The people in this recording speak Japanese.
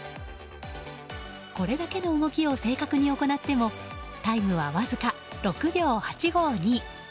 これだけの動きを正確に行ってもタイムはわずか６秒８５２。